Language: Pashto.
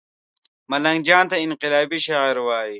ملنګ جان ته انقلابي شاعر وايي